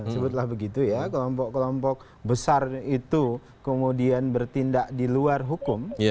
sebutlah begitu ya kelompok kelompok besar itu kemudian bertindak di luar hukum